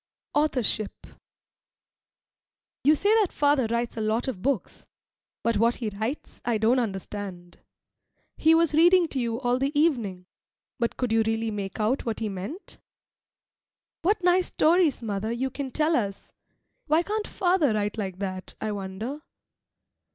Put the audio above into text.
AUTHORSHIP You say that father writes a lot of books, but what he writes I don't understand. He was reading to you all the evening, but could you really make out what he meant? What nice stories, mother, you can tell us! Why can't father write like that, I wonder?